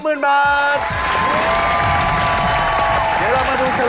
เดี๋ยวเรามาดูสลายกันหน่อยนะครับ